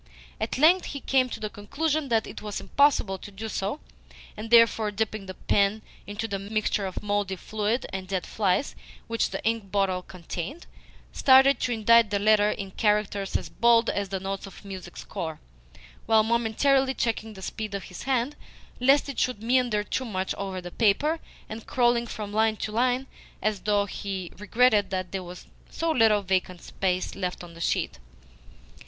At length he came to the conclusion that it was impossible to do so, and therefore, dipping the pen into the mixture of mouldy fluid and dead flies which the ink bottle contained, started to indite the letter in characters as bold as the notes of a music score, while momentarily checking the speed of his hand, lest it should meander too much over the paper, and crawling from line to line as though he regretted that there was so little vacant space left on the sheet.